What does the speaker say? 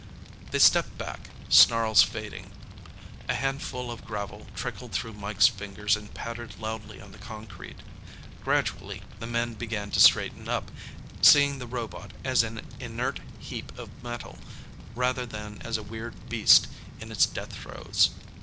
They stepped back, snarls fading. A handful of gravel trickled through Mike's fingers and pattered loudly on the concrete. Gradually, the men began to straighten up, seeing the robot as an inert heap of metal rather than as a weird beast in its death throes.